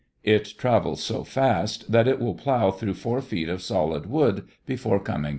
It travels so fast that it will plow through four feet of solid wood before coming to a stop.